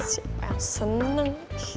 siapa yang seneng